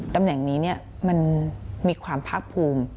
ตำแหน่งนี้มันมีความภาคภูมิ